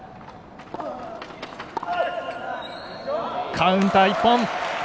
カウンター、一本！